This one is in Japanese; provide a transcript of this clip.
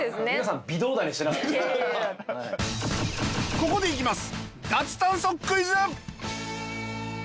ここでいきます